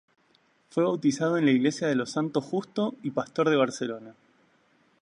Fue bautizado en la iglesia de los Santos Justo y Pastor de Barcelona.